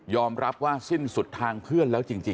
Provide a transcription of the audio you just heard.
รับว่าสิ้นสุดทางเพื่อนแล้วจริง